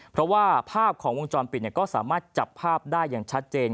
เพราะว่าภาพของวงจรปิดก็สามารถจับภาพได้อย่างชัดเจน